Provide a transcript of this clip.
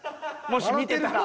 もし見てたら。